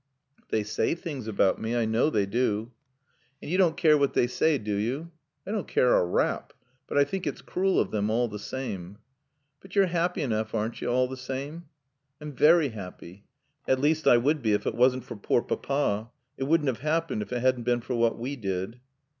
"They say things about me. I know they do." "And yo' dawn't keer what they saay, do yo'?" "I don't care a rap. But I think it's cruel of them, all the same." "But yo're happy enoof, aren't yo' all the same?" "I'm very happy. At least I would be if it wasn't for poor Papa. It wouldn't have happened if it hadn't been for what we did."